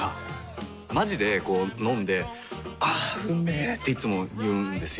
まじでこう飲んで「あーうんめ」っていつも言うんですよ。